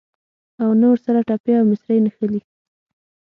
او نه ورسره ټپې او مصرۍ نښلي.